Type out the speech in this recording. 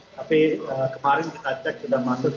tapi kemarin kita cek sudah masuk tiga ratus delapan puluh tiga